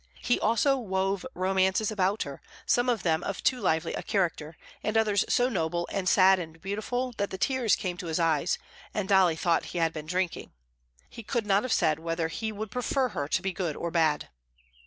He also wove romances about her, some of them of too lively a character, and others so noble and sad and beautiful that the tears came to his eyes, and Dolly thought he had been drinking. He could not have said whether he would prefer her to be good or bad.